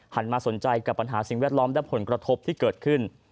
มาสนใจกับปัญหาสิ่งแวดล้อมและผลกระทบที่เกิดขึ้น